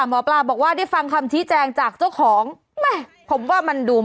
หมอปลาบอกว่าได้ฟังคำธิแจงจากเจ้าแล้วผมว่ามันดูไง